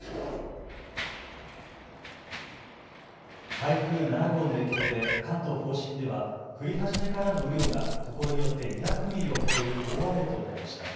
台風７号の影響で関東甲信では降り始めからの雨量がところによって２００ミリを超える大雨となりました。